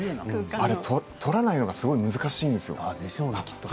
あれは取らないのが難しいんですよ。